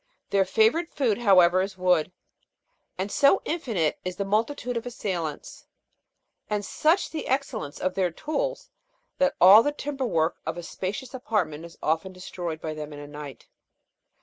Their favourite food, however, is wood, and so infinite is the multitude of assailants, and such the excellence of their tools, that all the timber work of a spacious apartment is often destroyed by them in a night.